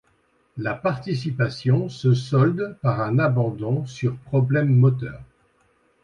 La participation se solde par un abandon sur problème moteur.